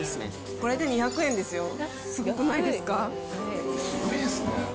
これで２００円ですよ、すごくなすごいですね。